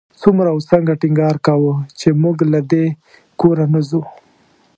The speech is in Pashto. څومره او څنګه ټینګار کاوه چې موږ له دې کوره نه ځو.